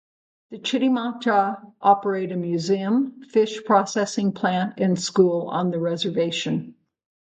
The Chitimacha operate a museum, fish processing plant and school on the reservation.